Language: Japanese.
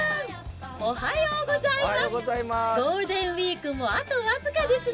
おはようございます。